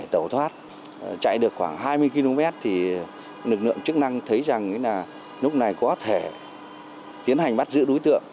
thấy rằng lúc này có thể tiến hành bắt giữ đối tượng